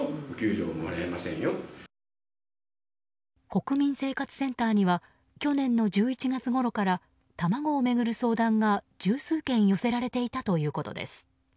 国民生活センターには去年の１１月ごろからたまごを巡る相談が、十数件寄せられていたということです。